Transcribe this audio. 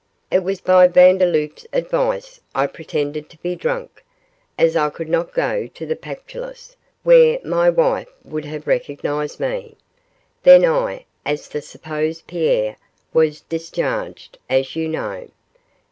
It was by Vandeloup's advice I pretended to be drunk, as I could not go to the Pactolus, where my wife would have recognised me. Then I, as the supposed Pierre, was discharged, as you know.